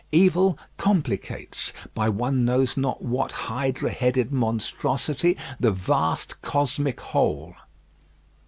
Evil complicates, by one knows not what hydra headed monstrosity, the vast, cosmic whole.